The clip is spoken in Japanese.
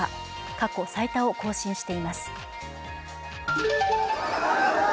過去最多を更新しています。